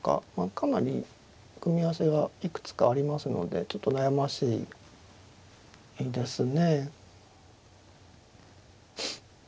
かなり組み合わせがいくつかありますのでちょっと悩ましいですね。